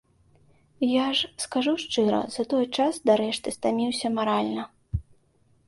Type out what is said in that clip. Я ж, скажу шчыра, за той час дарэшты стаміўся маральна.